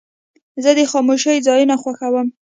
زه د خاموشۍ ځایونه خوښوم.